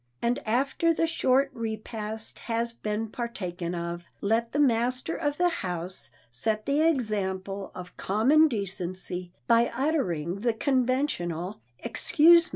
And after the short repast has been partaken of, let the master of the house set the example of common decency by uttering the conventional "Excuse me!"